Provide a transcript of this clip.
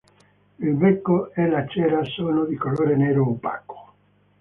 Il becco e la cera sono di colore nero opaco.